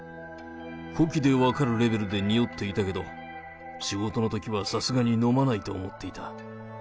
呼気で分かるレベルでにおっていたけど、仕事のときはさすがに飲まないと思っていた。